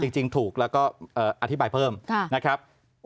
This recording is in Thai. จริงถูกแล้วก็อธิบายเพิ่มนะครับ